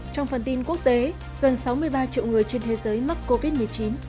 trong phần tin quốc tế gần sáu mươi ba triệu người trên thế giới mắc covid một mươi chín